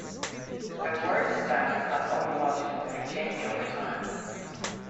A word's status as autological may change over time.